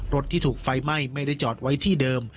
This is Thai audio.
รถที่ถูกไฟไหม้ไม่ได้จอดไว้ที่เดิม